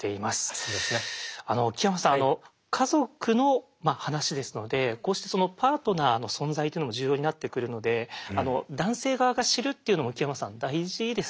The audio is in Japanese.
家族の話ですのでこうしてそのパートナーの存在というのも重要になってくるので男性側が知るっていうのも木山さん大事ですよね。